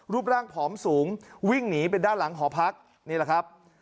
รูปร่างผอมสูงวิ่งหนีไปด้านหลังหอพักนี่แหละครับ